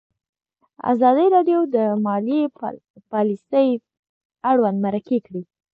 ازادي راډیو د مالي پالیسي اړوند مرکې کړي.